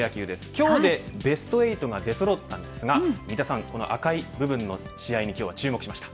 今日でベスト８が出そろったんですがこの赤い部分の試合に今日は注目しました。